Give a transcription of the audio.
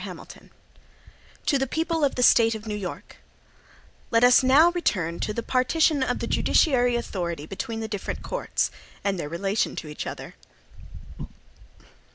HAMILTON To the People of the State of New York: LET US now return to the partition of the judiciary authority between different courts, and their relations to each other.